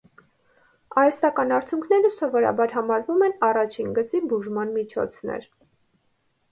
Արհեստական արցունքները սովորաբար համարվում են առաջին գծի բուժման միջոցներ։